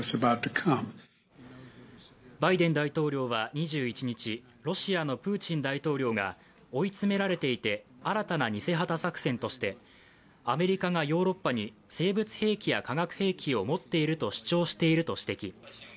バイデン大統領は２１日ロシアのプーチン大統領が追い詰められていて、新たな偽旗作戦としてアメリカがヨーロッパに生物兵器や化学兵器を持っていると主張していると指摘。